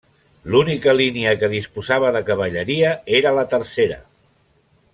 L'única línia que disposava de cavalleria era la tercera.